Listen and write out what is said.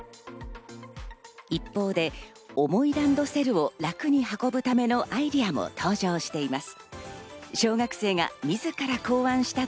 一方で重いランドセルを楽に運ぶためのアイデアも登場しています。